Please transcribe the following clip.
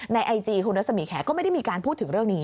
ไอจีคุณรัศมีแขกก็ไม่ได้มีการพูดถึงเรื่องนี้